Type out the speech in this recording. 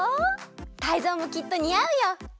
タイゾウもきっとにあうよ。